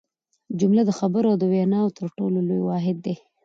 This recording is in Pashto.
جمله د خبرو او ویناوو تر ټولو لوی واحد دئ.